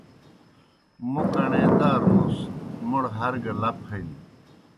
موْ کݨے دارنُس، موْڑ ہر گہ لپ ہنیْ۔